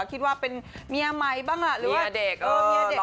คิดว่าเป็นเมียใหม่บ้างหรือว่า